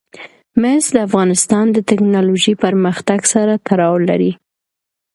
مس د افغانستان د تکنالوژۍ پرمختګ سره تړاو لري.